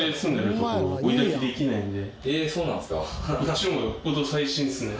えっそうなんですか？